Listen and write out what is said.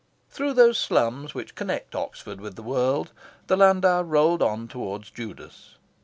Through those slums which connect Oxford with the world, the landau rolled on towards Judas.